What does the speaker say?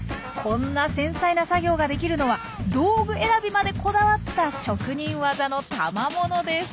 こんな繊細な作業ができるのは道具選びまでこだわった職人技のたまものです。